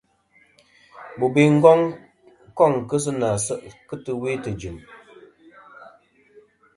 Bobe Ngong kôŋ sɨ nà se' kɨ tɨwe tɨjɨ̀m.